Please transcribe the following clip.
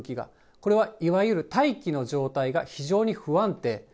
これはいわゆる大気の状態が非常に不安定。